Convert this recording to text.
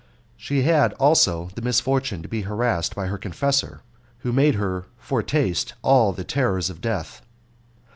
She had also the misfortune to be harassed by her confessor, who made her foretaste all the terrors of death.